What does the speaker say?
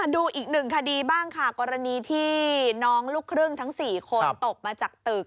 ดูอีกหนึ่งคดีบ้างค่ะกรณีที่น้องลูกครึ่งทั้ง๔คนตกมาจากตึก